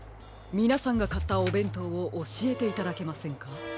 みなさんがかったおべんとうをおしえていただけませんか？